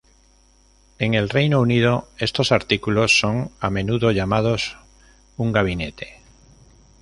En el Reino Unido, estos artículos son a menudo llamados un gabinete.